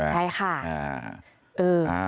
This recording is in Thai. ใช่ค่ะ